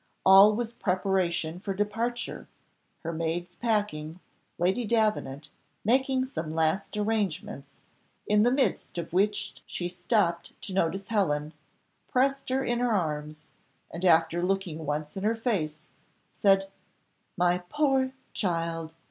All was preparation for departure her maids packing Lady Davenant, making some last arrangements in the midst of which she stopped to notice Helen pressed her in her arms, and after looking once in her face, said, "My poor child!